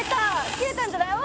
切れたんじゃない？